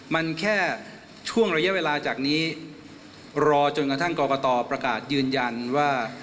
มันแค่ช่วงระยะเวลาจากนี้รอจนกระทั่งกรกตประกาศยืนยันว่า